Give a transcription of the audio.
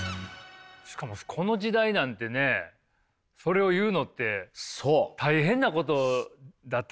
この時代なんてねそれを言うのって大変なことだったでしょうし。